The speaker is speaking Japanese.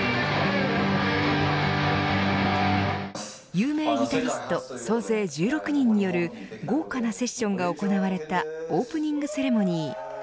有名ギタリスト総勢１６人による豪華なセッションが行われたオープニングセレモニー。